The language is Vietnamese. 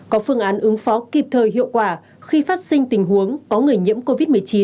có phương án ứng phó kịp thời hiệu quả khi phát sinh tình huống có người nhiễm covid một mươi chín